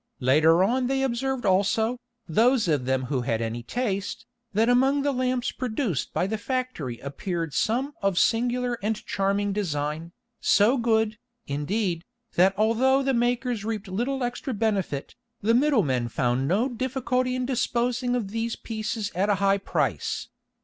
Later on they observed also, those of them who had any taste, that among the lamps produced by the factory appeared some of singular and charming design, so good, indeed, that although the makers reaped little extra benefit, the middlemen found no difficulty in disposing of these pieces at a high price.